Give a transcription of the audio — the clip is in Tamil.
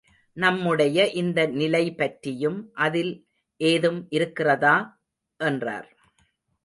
நம்முடைய இந்த நிலைபற்றியும் அதில் ஏதும் இருக்கிறதா? என்றார்.